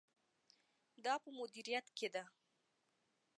دا په مدیریت کې ده.